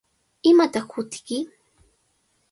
¿Imataq hutiyki?